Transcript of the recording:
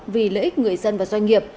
vì lợi ích người dân và doanh nghiệp